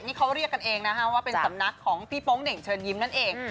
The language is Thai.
นี่เขาเรียกกันเองนะคะว่าเป็นสำนักของพี่โป๊งเหน่งเชิญยิ้มนั่นเอง